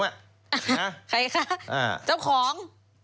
ใครคะเจ้าของ